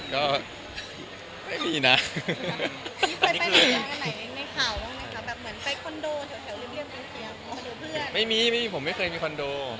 ก็ชอบครับดินเหมือนกัน